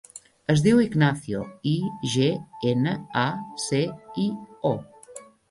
Es diu Ignacio: i, ge, ena, a, ce, i, o.